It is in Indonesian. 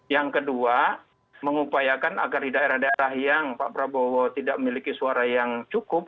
yang kedua mengupayakan agar di daerah daerah yang pak prabowo tidak memiliki suara yang cukup